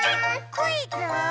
クイズ？